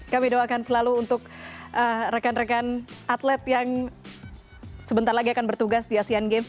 kami doakan selalu untuk rekan rekan atlet yang sebentar lagi akan bertugas di asean games